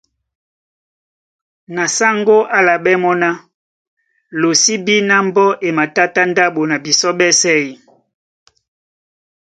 Na sáŋgó á álaɓɛ́ mɔ́ ná:Lo sí bí ná mbɔ́ e matátá ndáɓo na bisɔ́ ɓɛ́sɛ̄ ē?